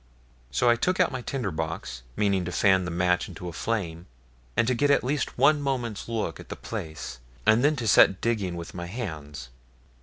So I took out my tinder box, meaning to fan the match into a flame, and to get at least one moment's look at the place, and then to set to digging with my hands.